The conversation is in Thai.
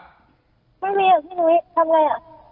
ไม่มีอ่ะพี่นุ้ยทำไงอ่ะ